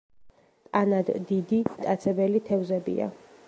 ტანად დიდი მტაცებელი თევზებია.